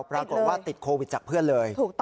ปรากฏว่าติดโควิดจากเพื่อนเลย